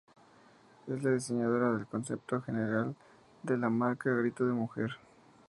Es la diseñadora del concepto general de la marca Grito de Mujer®.